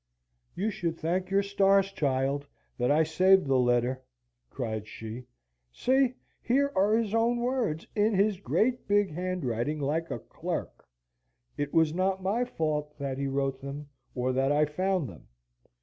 "You should thank your stars, child, that I saved the letter," cried she. "See! here are his own words, in his great big handwriting like a clerk. It was not my fault that he wrote them, or that I found them.